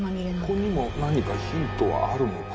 ここにも何かヒントはあるのか。